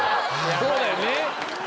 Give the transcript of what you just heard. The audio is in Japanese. そうだよね。